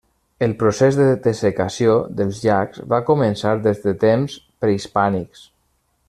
El procés de dessecació dels llacs va començar des de temps prehispànics.